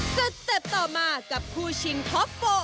สเต็ปต่อมากับคู่ชิงท็อปโฟ